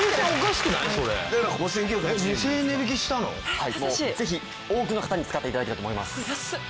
はいもうぜひ多くの方に使って頂きたいと思います。